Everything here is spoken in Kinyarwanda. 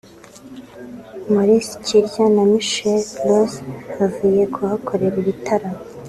Maurice Kirya na Michael Ross bavuye kuhakorera ibitaramo